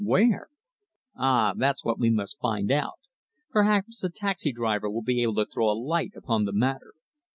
"Where?" "Ah, that's what we must find out. Perhaps a taxi driver will be able to throw a light upon the matter."